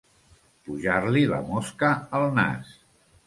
Pujar-li la mosca al nas.